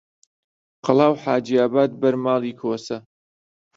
قەڵا و حاجیاباد بەر ماڵی کۆسە